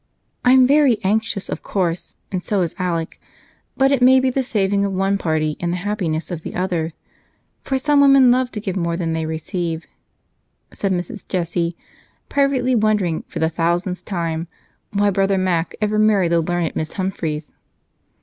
"I'm very anxious, of course, and so is Alec, but it may be the saving of one party and the happiness of the other, for some women love to give more than they receive," said Mrs. Jessie, privately wondering, for the thousandth time, why brother Mac ever married the learned Miss Humphries.